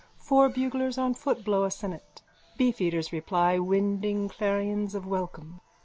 Four buglers on foot blow a sennet. Beefeaters reply, winding clarions of welcome.